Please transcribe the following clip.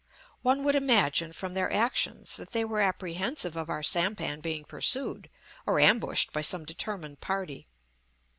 One would imagine, from their actions, that they were apprehensive of our sampan being pursued or ambushed by some determined party.